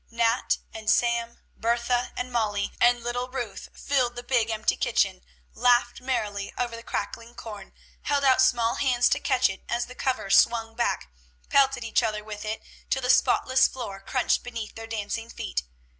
Nat and Sam, Bertha and Molly, and little Ruth filled the big, empty kitchen, laughed merrily over the crackling corn, held out small hands to catch it as the cover swung back, pelted each other with it till the spotless floor crunched beneath their dancing feet.